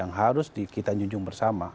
yang harus kita junjung bersama